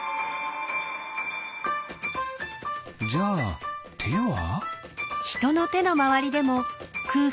じゃあては？